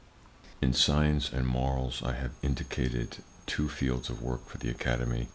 In science and morals, I have indicated two fields of work for the Academy.